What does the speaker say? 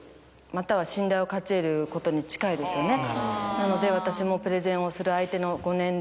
なので私も。